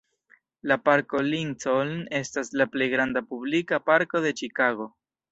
La Parko Lincoln estas la plej granda publika parko de Ĉikago.